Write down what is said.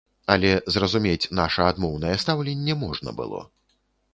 Але зразумець наша адмоўнае стаўленне можна было.